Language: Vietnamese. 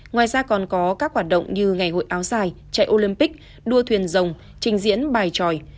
ngoài ra còn có các hoạt động như ngày hội áo dài chạy olympic đua thuyền rồng trình diễn bài tròi